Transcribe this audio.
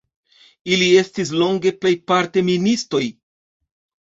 Ili estis longe plejparte ministoj.